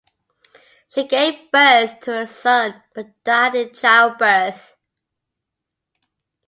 She gave birth to a son, but died in childbirth.